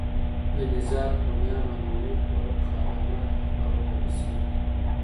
د نېزاک هونيانو او لومړي تورک خاگانات له خوا بريالي شوي